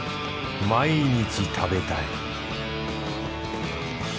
毎日食べたい